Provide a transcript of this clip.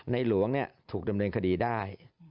ในหลวงเนี่ยถูกดำเนินคดีได้